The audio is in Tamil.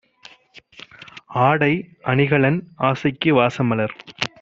ஆடை, அணிகலன், ஆசைக்கு வாசமலர்